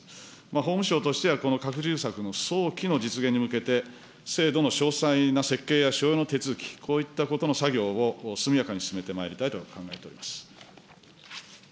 法務省としては、この拡充策の早期の実現に向けて、制度の詳細な設計や所要の手続き、こういったことの作業を速やかに進めてまいりたいと考えております。